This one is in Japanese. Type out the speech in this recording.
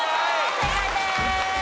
正解です。